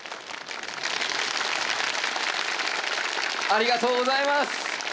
ありがとうございます。